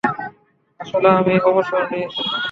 আসলে, আমি অবসর নিয়েছি।